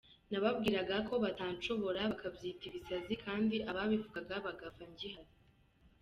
Nababwira ga ko batanshobora, bakabyita ibisazi, kandi ababivugaga bagapfa ngihari.